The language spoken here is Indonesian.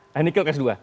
nah nikel kelas dua